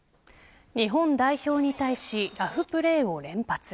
日本代表に対しラフプレーを連発。